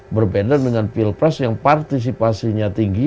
berbeda dengan pilpres yang partisipasinya tinggi